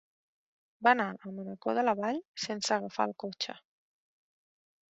Va anar a Mancor de la Vall sense agafar el cotxe.